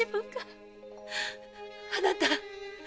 あなた！